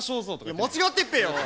いや間違ってっぺよ。